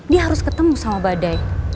dia harus ketemu sama badai